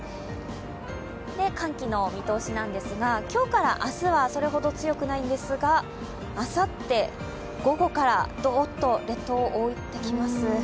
寒気の見通しなんですが、今日から明日はそれほど強くないんですがあさって午後からどーっと列島を覆ってきます。